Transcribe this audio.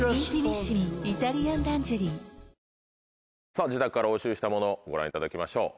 さぁ自宅から押収したものご覧いただきましょう。